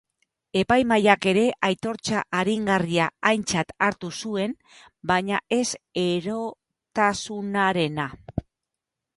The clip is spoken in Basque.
Epaimahaiak ere aitortza aringarria aintzat hartu zuen, baina ez erotasunarena.